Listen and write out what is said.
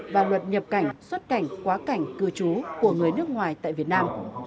và luật nhập cảnh xuất cảnh quá cảnh cư trú của người nước ngoài tại việt nam